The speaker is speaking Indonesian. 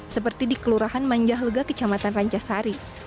seperti di kelurahan manjah lega kecamatan rancasari